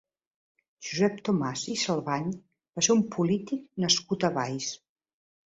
Josep Tomàs i Salvany va ser un polític nascut a Valls.